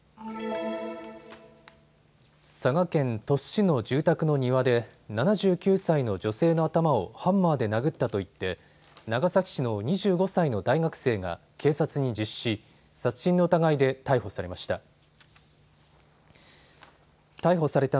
佐賀県鳥栖市の住宅の庭で７９歳の女性の頭をハンマーで殴ったと言って長崎市の２５歳の大学生が警察に自首し殺人の疑いで逮捕されました。